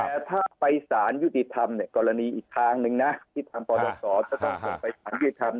แต่ถ้าไปสารยุทธิธรรมตามคือการมาตินอีกทางหนึ่งก็อะ